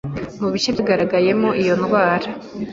mu bice byagaragayemo iyo ndwara,